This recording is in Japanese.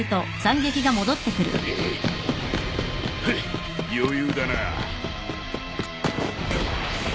フッ余裕だな。